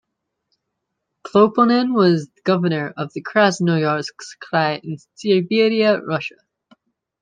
Khloponin was the governor of Krasnoyarsk Krai in Siberia, Russia.